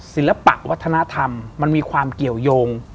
ศิลปะวัฒนธรรมมันมีความเกี่ยวยง